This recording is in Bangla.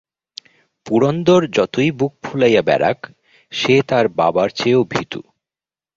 পুরন্দর যতই বুক ফুলাইয়া বেড়াক সে তার বাবার চেয়েও ভিতু।